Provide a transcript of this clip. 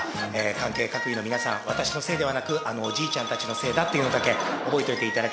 関係各位の皆さん、私のせいではなく、あのおじいちゃんたちのせいだということだけ、覚えといていただ